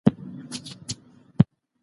د علم د اړتیاوو په اړه څیړنه ترسره کیږي.